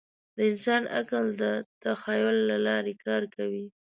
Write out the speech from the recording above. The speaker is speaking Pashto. د انسان عقل د تخیل له لارې کار کوي.